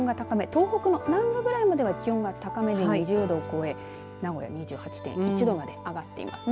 東北も南部ぐらいまでは気温が高めで２０度を超え、名古屋は２８．１度まで上がっています。